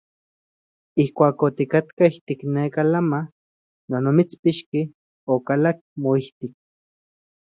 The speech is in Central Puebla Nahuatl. Ijkuak otikatka ijtik neka lama non omitspixki, okalak moijtik.